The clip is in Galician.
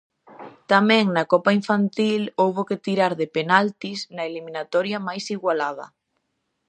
Tamén na copa infantil houbo que tirar de penaltis, na eliminatoria máis igualada.